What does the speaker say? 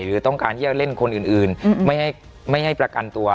หรือต้องการที่จะเล่นคนอื่นไม่ให้ประกันตัว